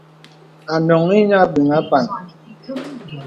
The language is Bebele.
À noŋhī nīə àbéŋ àpān.